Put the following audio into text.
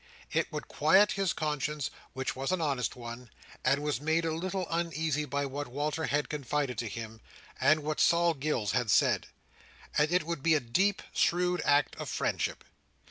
It would quiet his conscience, which was an honest one, and was made a little uneasy by what Walter had confided to him, and what Sol Gills had said; and it would be a deep, shrewd act of friendship.